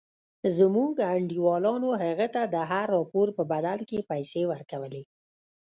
زموږ انډيوالانو هغه ته د هر راپور په بدل کښې پيسې ورکولې.